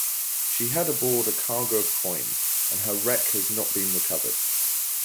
She had aboard a cargo of coins, and her wreck has not been recovered.